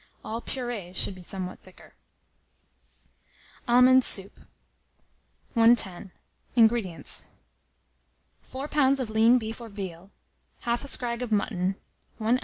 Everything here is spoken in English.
All purées should be somewhat thicker. ALMOND SOUP. 110. INGREDIENTS. 4 lbs. of lean beef or veal, 1/2 a scrag of mutton, 1 oz.